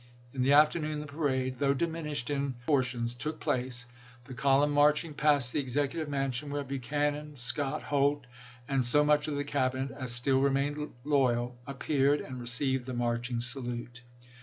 In <ia. ms. the afternoon the parade, though diminished in pro portions, took place, the column marching past the Executive Mansion, where Buchanan, Scott, Holt, and so much of the Cabinet as still remained loyal appeared and received the marching salute.